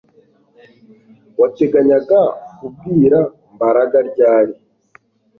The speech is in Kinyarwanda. Wateganyaga kubwira Mbaraga ryari